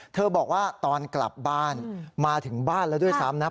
บอกว่าตอนกลับบ้านมาถึงบ้านแล้วด้วยซ้ำนะ